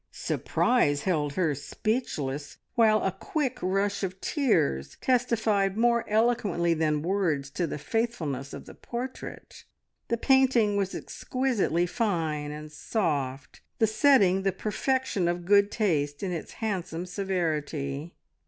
Surprise held her speechless, while a quick rush of tears testified more eloquently than words to the faithfulness of the portrait. The painting was exquisitely fine and soft, the setting the perfection of good taste in its handsome severity.